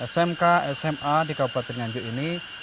smk sma di kabupaten nganjuk ini